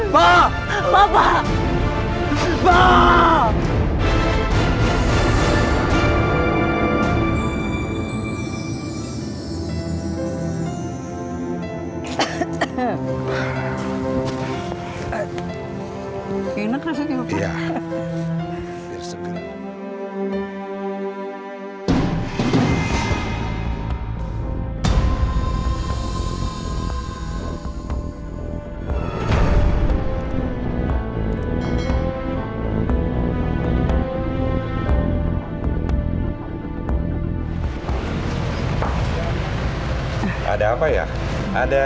tanah dan rumahnya bapak sudah dijual sama anak anaknya bapak